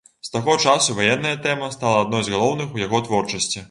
З таго часу ваенная тэма стала адной з галоўных у яго творчасці.